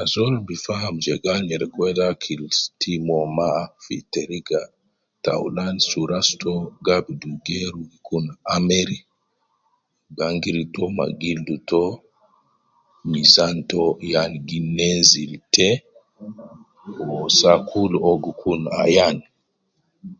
Ajol bi faham je gal nyereku wede akil si time uwo ma, fi teriga taulan suu ras to gi abidu geeru kun ameri, gwangiri to ma gildu to minzan to yan gi nenzil te, wu saa kul uwo gi kun ayan.